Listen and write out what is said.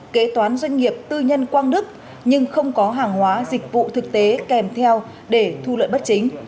kế toán doanh nghiệp tư nhân quang đức nhưng không có hàng hóa dịch vụ thực tế kèm theo để thu lợi bất chính